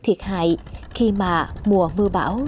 thiệt hại khi mà mùa mưa bão